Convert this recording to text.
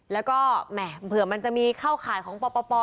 แล้วก็แหม่เผื่อมันจะมีเข้าข่ายของปป